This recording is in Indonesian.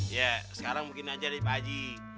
ya sekarang mungkin aja deh pak haji